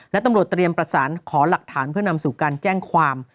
และตำรวจเตรียมประสานขอหลักฐานเพื่อนำสู่การแจ้งความ